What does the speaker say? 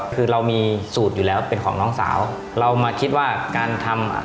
คือเรามีสูตรอยู่แล้วเป็นของน้องสาวเรามาคิดว่าการทำอ่ะ